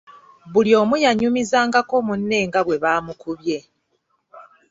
Buli omu yanyumizangako munne nga bwe baamukubye.